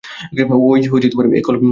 এই, ও কল করেছে!